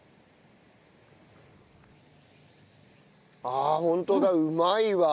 ああホントだうまいわ。